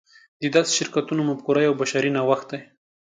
د داسې شرکتونو مفکوره یو بشري نوښت دی.